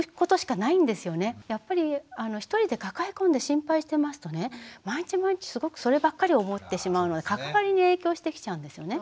やっぱり一人で抱え込んで心配してますとね毎日毎日すごくそればっかり思ってしまうので関わりに影響してきちゃうんですよね。